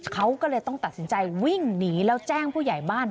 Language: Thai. เขาก็เลยต้องตัดสินใจวิ่งหนีแล้วแจ้งผู้ใหญ่บ้าน